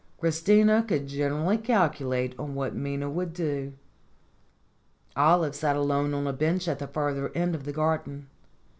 Christina could generally calculate on what Minna would do. Olive sat alone on a bench at the further end of the garden.